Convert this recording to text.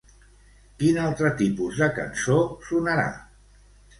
Quin altre tipus de cançó sonarà?